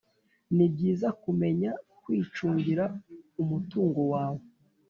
Nibyiza kumenya kwicungira umutungo wawe